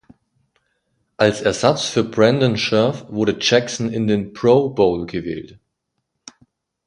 Als Ersatz für Brandon Scherff wurde Jackson in den Pro Bowl gewählt.